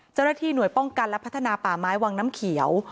เจ้าหน้าที่หน่วยป้องกันและพัฒนาป่าไม้วังน้ำเขียว